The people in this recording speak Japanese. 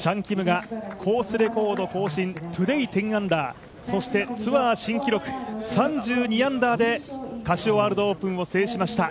コースレコード更新トゥデー、１０アンダーそしてツアー新記録３２アンダーでカシオワールドオープンを制しました。